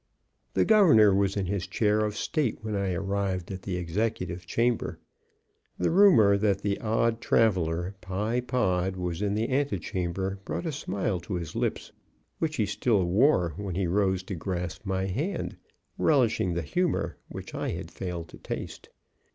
The Governor was in his chair of state when I arrived at the Executive Chamber. The rumor that the odd traveler, Pye Pod, was in the ante chamber brought a smile to his lips, which he still wore when he rose to grasp my hand, relishing the humor which I had failed to taste.